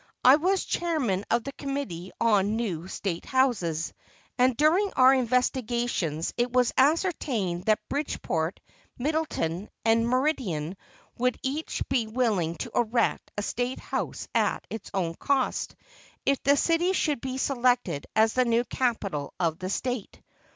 I was chairman of the committee on new State Houses, and during our investigations it was ascertained that Bridgeport, Middletown and Meriden would each be willing to erect a State House at its own cost, if the city should be selected as the new capital of the State.